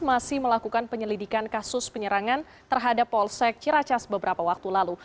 masih melakukan penyelidikan kasus penyerangan terhadap polsek ciracas beberapa waktu lalu